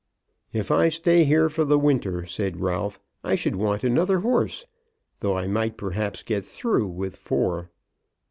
"If I stay here for the winter," said Ralph, "I should want another horse. Though I might, perhaps, get through with four."